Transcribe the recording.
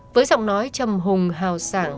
với giọng nói trầm hùng hào sảng